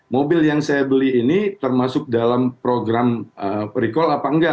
mobil yang saya beli ini termasuk dalam program recall apa enggak